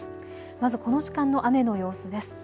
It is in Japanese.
まず、この時間の雨の様子です。